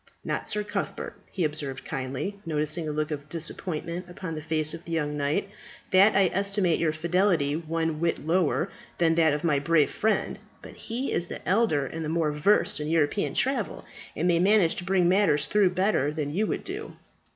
Not, Sir Cuthbert," he observed kindly, noticing a look of disappointment upon the face of the young knight, "that I estimate your fidelity one whit lower than that of my brave friend; but he is the elder and the more versed in European travel, and may manage to bring matters through better than you would do.